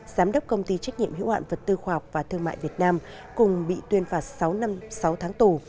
giám đốc công ty trách nhiệm hữu hạn vật tư khoa học và thương mại việt nam cùng bị tuyên phạt sáu năm sáu tháng tù